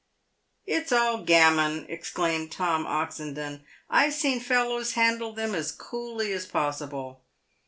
"It's all gammon," exclaimed Tom Oxendon. " I've seen fellows handle them as coolly as possible."